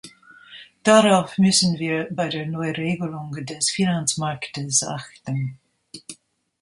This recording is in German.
Darauf müssen wir bei der Neuregelung des Finanzmarktes achten.